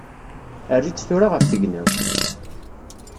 Err-itt tura ɣef tegnawt!